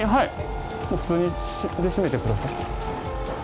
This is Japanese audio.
はい。